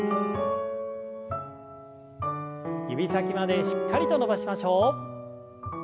指先までしっかりと伸ばしましょう。